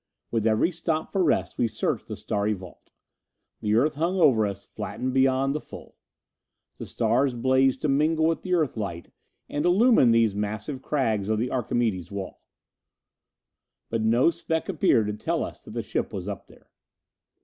With every stop for rest we searched the starry vault. The Earth hung over us, flattened beyond the full. The stars blazed to mingle with the Earthlight and illumine these massive crags of the Archimedes walls. But no speck appeared to tell us that the ship was up there.